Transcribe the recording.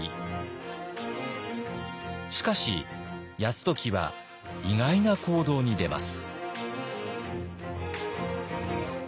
しかし泰時は意外な行動に出ます。